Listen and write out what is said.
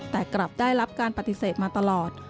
แต่กลับได้รับการปฏิเสธมาตลอด